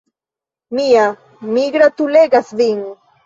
Mia, mi gratulegas vin!